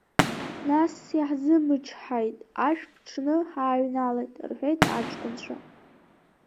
Нас иаҳзымычҳазт ашә ԥҽны ҳааҩналеит, — рҳәеит аҷкәынцәа.